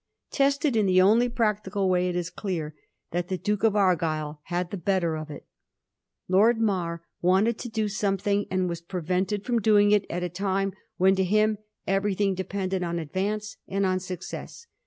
Tested Digiti zed by Google 1716 SHEBIFFB£U1R. 165 in the only practical way, it is clear that the Duke of Argyll had the better of it. Lord Mar wanted to do something, and was prevented from doing it at a time when to him everything depended on advance and on success.